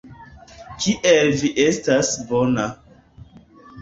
Kiel vi estas bona.